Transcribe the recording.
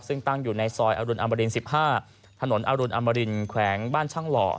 ซึ่งตั้งอยู่ในซอยอรุณอมริน๑๕ถนนอรุณอมรินแขวงบ้านช่างหล่อ